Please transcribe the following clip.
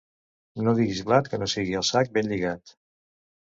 No diguis blat que no sigui al sac ben lligat